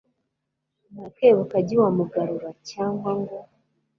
ni akebo kajya iwa mugarura cyangwa ngo